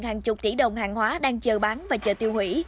hàng chục tỷ đồng hàng hóa đang chờ bán và chờ tiêu hủy